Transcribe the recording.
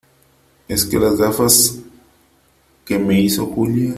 es que las gafas que me hizo Julia